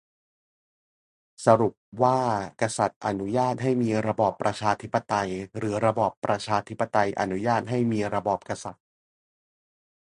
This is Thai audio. สรุปว่ากษัตริย์อนุญาตให้มีระบอบประชาธิปไตย หรือระบอบประชาธิปไตยอนุญาตให้มีระบอบกษัตริย์ ?